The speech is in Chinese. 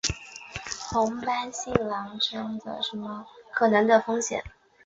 红斑性狼疮的患者在疗程前应先与医生讨论可能的风险。